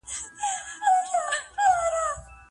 که حکومت د رعیت حقوقو ته پام وکړي، نو اعتماد به ورسره ډېر سي.